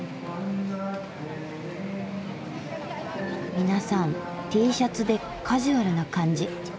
皆さんＴシャツでカジュアルな感じ。